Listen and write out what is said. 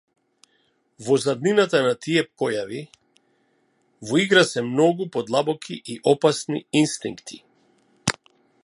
Во заднината на тие појави во игра се многу подлабоки и опасни инстинки!